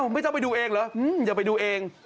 ไม่ต้องไปดูเองเหรออย่าไปดูเอง